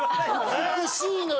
美しいのよ